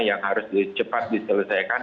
yang harus cepat diselesaikan